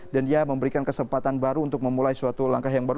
dan dia memberikan kesempatan baru untuk memulai suatu langkah yang baru